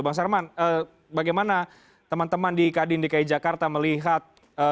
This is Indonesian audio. bang sarman bagaimana teman teman di kadin dki jakarta melihat